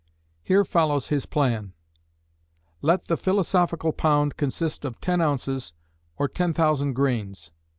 Here follows his plan: Let the Philosophical pound consist of 10 ounces, or 10,000 grains.